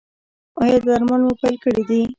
ایا درمل مو پیل کړي دي؟